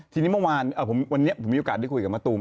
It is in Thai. ทีนี้เมื่อวานวันนี้ผมมีโอกาสได้คุยกับมะตูม